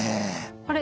あれ？